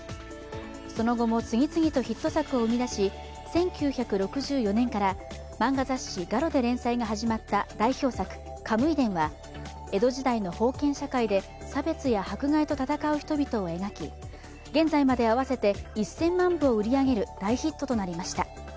その後も次々とヒット作を生み出し、１９６４年から漫画雑誌「ガロ」で連載が始まった代表作「カムイ伝」は江戸時代の封建社会で差別や迫害と戦う人々を描き、現在まで合わせて１０００万部を売り上げる大ヒットとなりました。